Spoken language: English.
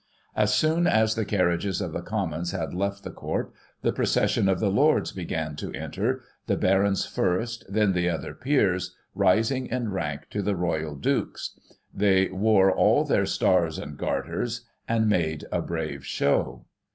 As soon as the carriages of the Commons had left the court, the procession of the Lords began to enter, the barons first, then the other peers, rising in rank to the royal dukes. They wore all their stars and garters, and made a brave show.